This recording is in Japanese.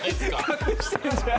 隠してるじゃん。